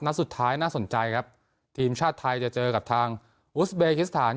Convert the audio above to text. สุดท้ายน่าสนใจครับทีมชาติไทยจะเจอกับทางอุสเบกิสถาน